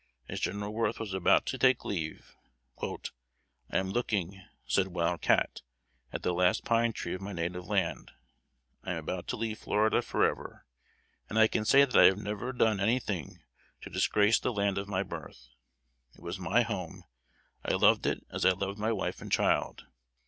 As General Worth was about to take leave, "I am looking (said Wild Cat) at the last pine tree of my native land. I am about to leave Florida for ever; and I can say that I have never done anything to disgrace the land of my birth. It was my home: I loved it as I loved my wife and child.